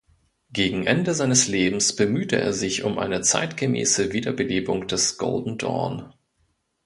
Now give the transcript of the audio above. Gegen Ende seines Lebens bemühte er sich um eine zeitgemäße Wiederbelebung des Golden Dawn.